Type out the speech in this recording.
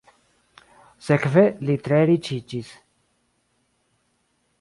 Sekve li tre riĉiĝis.